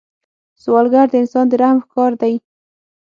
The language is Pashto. سوالګر د انسان د رحم ښکار دی